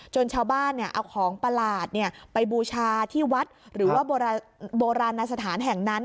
ชาวบ้านเอาของประหลาดไปบูชาที่วัดหรือว่าโบราณสถานแห่งนั้น